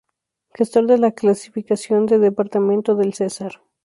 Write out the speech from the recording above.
Gestor de la gasificación del Departamento del Cesar.